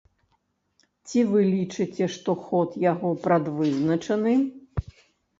Ці вы лічыце, што ход яго прадвызначаны?